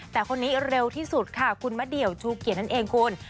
แต่คนนี้เร็วที่สุดค่ะคุณมะเดี่ยวชูเกียรตินั่นเองคุณ